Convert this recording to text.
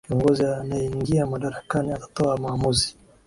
kiongozi anayeingia madarakani atatoa maamuzi